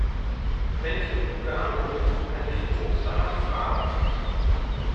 Wenn ich in Lugano bin, kann ich Urs danach fragen.